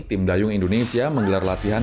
tim dayung indonesia menggelar latihan